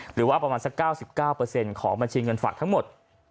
หรือว่าประมาณสัก๙๙ของบัญชีเงินฝากทั้งหมด